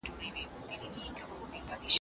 د تیزس مسؤلیت د شاګرد په غاړه اچول سوی دی.